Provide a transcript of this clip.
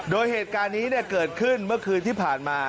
โดยเหตุการณ์นี้เกิดขึ้นเมื่อคืนที่ผ่านมา